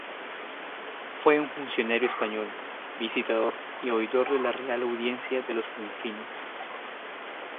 Fue un funcionario español, visitador y oidor de la Real Audiencia de los Confines.